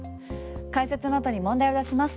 解説の後に問題を出します。